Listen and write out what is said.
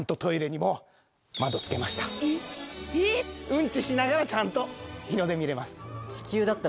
ウンチしながらちゃんと日の出見れます。